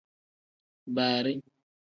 Baari.